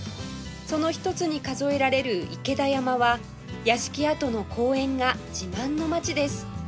その一つに数えられる池田山は屋敷跡の公園が自慢の街です